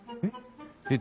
えっ？